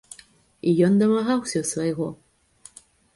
І ён дамагаўся свайго.